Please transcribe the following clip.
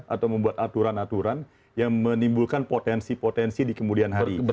atau membuat aturan aturan yang menimbulkan potensi potensi di kemudian hari